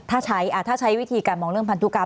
ถ้าใช้ถ้าใช้วิธีการมองเรื่องพันธุกรรม